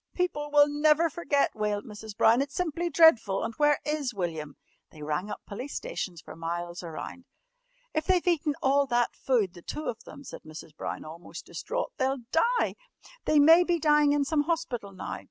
"People will never forget," wailed Mrs. Brown. "It's simply dreadful. And where is William?" They rang up police stations for miles around. "If they've eaten all that food the two of them," said Mrs. Brown almost distraught, "they'll die! They may be dying in some hospital now!